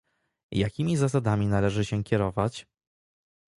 Jakimi zasadami należy się kierować?